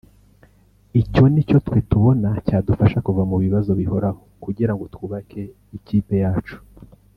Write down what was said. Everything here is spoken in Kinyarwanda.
Icyo ni cyo twe tubona cyadufasha kuva mu bibazo bihoraho kugira ngo twubake ikipe yacu